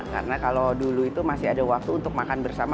karena kalau dulu itu masih ada waktu untuk makan bersama